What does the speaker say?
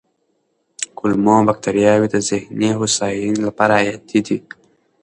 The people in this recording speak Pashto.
کولمو بکتریاوې د ذهني هوساینې لپاره حیاتي دي.